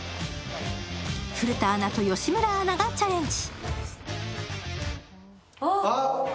古田アナと吉村アナがチャレンジ。